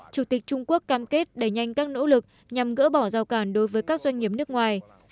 chủ tịch trung quốc cam kết đẩy nhanh các nỗ lực nhằm gỡ bỏ giao cản đối với các doanh nghiệp nước ngoài